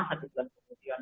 satu bulan kemudian